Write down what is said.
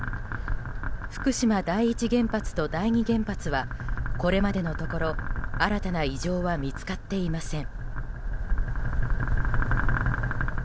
福島第一原発と第二原発はこれまでのところ、新たな異常は見つかっていません。